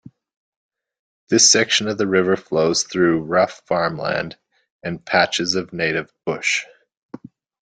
This section of the river flows through rough farmland and patches of native bush.